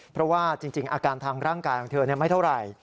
เพราะว่าจริงอาการทางร่างกายของเธอไม่เท่าไหร่